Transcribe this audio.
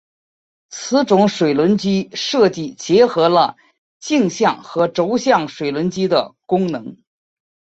此种水轮机设计结合了径向和轴向水轮机的功能。